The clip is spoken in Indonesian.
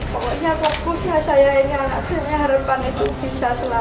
saya harapkan itu bisa selamat